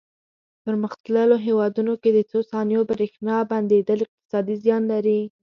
په پرمختللو هېوادونو کې د څو ثانیو برېښنا بندېدل اقتصادي زیان لري.